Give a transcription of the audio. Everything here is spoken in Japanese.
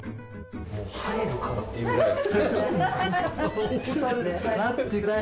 もう入るかなっていうくらい。